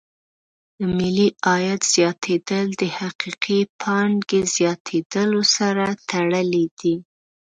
د ملي عاید زیاتېدل د حقیقي پانګې زیاتیدلو سره تړلې دي.